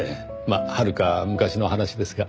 まあはるか昔の話ですが。